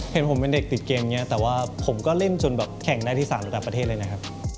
เห็นผมเป็นเด็กติดเกมอย่างนี้แต่ว่าผมก็เล่นจนแบบแข่งได้ที่๓ระดับประเทศเลยนะครับ